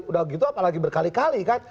udah gitu apalagi berkali kali kan